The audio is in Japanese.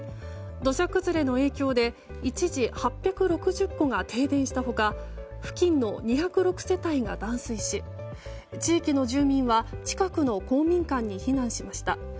土砂崩れの影響で一時８６０戸が停電した他付近の２０６世帯が断水し地域の住民は近くの公民館に避難しました。